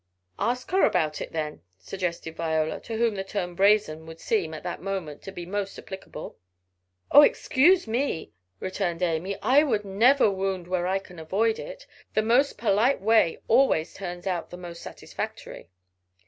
"Ask her about it, then," suggested Viola, to whom the term brazen would seem, at that moment, to be most applicable. "Oh, excuse me," returned Amy. "I never wound where I can avoid it. The most polite way always turns out the most satisfactory."